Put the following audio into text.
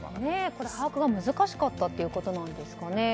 把握が難しかったということですかね。